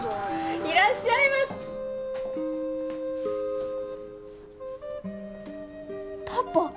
いらっしゃいまパパ